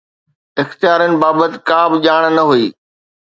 اختيارن بابت ڪا به ڄاڻ نه هئي